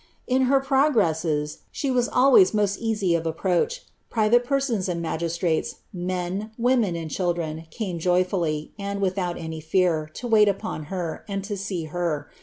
in her progresses, she was always most easy of approach ; private persons, and magistrates, men, women, and children, came joyfully, and without any fear, to wait upon her, and to see her.